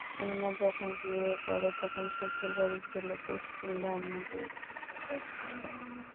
ইমরান যখন বিয়ে করে তখন শ্বশুর বাড়ি ছিল পশ্চিম ধানমন্ডির মধুবাজারে।